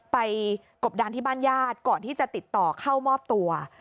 กบดานที่บ้านญาติก่อนที่จะติดต่อเข้ามอบตัว